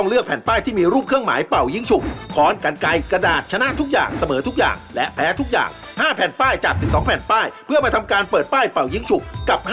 เอาเป็นว่าเรามาดูผู้สนับสนุนทั้ง๑๒แผ่นป้ายของเรากันก่อนเลยครับ